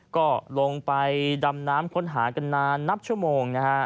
ก็ลงไปดำน้ำค้นหากันนานนับชั่วโมงนะฮะ